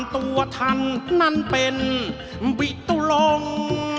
ตัวท่านนั้นเป็นบิตุลง